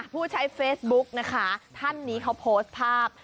ผู้ใช้เฟซบุ๊กนะคะท่านนี้เขาโพสต์ภาพ